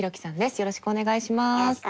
よろしくお願いします。